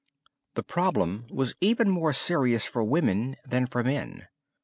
The problem was even more serious for women than for men.